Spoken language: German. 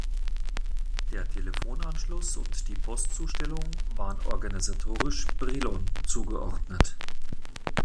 Der Telefonanschluss und die Postzustellung waren organisatorisch Brilon zugeordnet.